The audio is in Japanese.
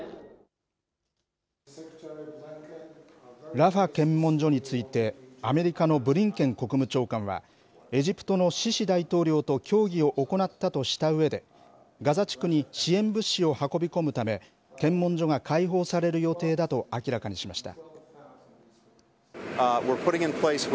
ラファ検問所についてアメリカのブリンケン国務長官は、エジプトのシシ大統領と協議を行ったとしたうえで、ガザ地区に支援物資を運び込むため、検問所が解放される予定だと明らかにしました。